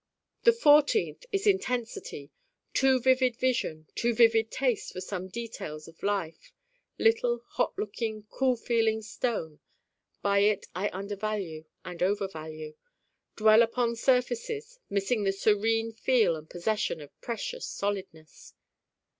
the fourteenth is Intensity too vivid vision, too vivid taste for some details of life little hot looking cool feeling stone by it I undervalue and overvalue, dwell upon surfaces, missing the serene feel and possession of precious solidness.